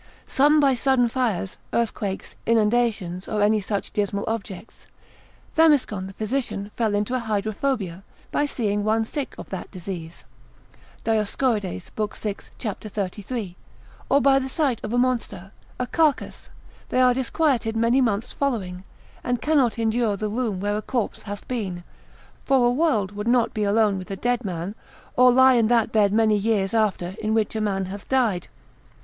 Some by sudden fires, earthquakes, inundations, or any such dismal objects: Themiscon the physician fell into a hydrophobia, by seeing one sick of that disease: (Dioscorides l. 6. c. 33.) or by the sight of a monster, a carcase, they are disquieted many months following, and cannot endure the room where a corpse hath been, for a world would not be alone with a dead man, or lie in that bed many years after in which a man hath died.